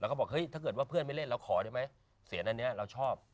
แล้วก็บอกเฮ้ยถ้าเกิดว่าเพื่อนไม่เล่นเราขอได้ไหมเสียงอันนี้เราชอบ